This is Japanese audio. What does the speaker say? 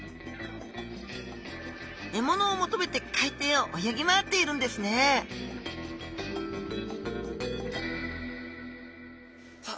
えものを求めて海底を泳ぎ回っているんですねさあ